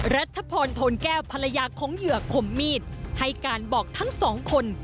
รัฐพรโทนแก้วภรรยาของเหยื่อขมมีดให้การบอกทั้งสองคน